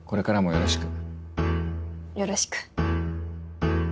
よろしく。